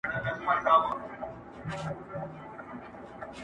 لاندي باندي یو په بل کي سره بندي،